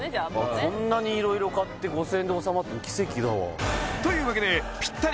こんなに色々買って５０００円で収まってんの奇跡だわというわけでぴったり